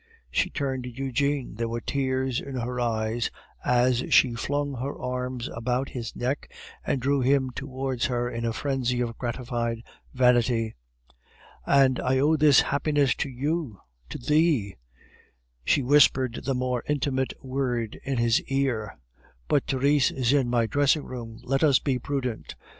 She turned to Eugene; there were tears in her eyes as she flung her arms about his neck, and drew him towards her in a frenzy of gratified vanity. "And I owe this happiness to you to thee" (she whispered the more intimate word in his ear); "but Therese is in my dressing room, let us be prudent.